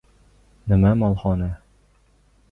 Nima molxona?